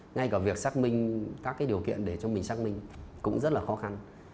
ngay cả việc xác minh các điều kiện để cho mình xác minh cũng rất là khó khăn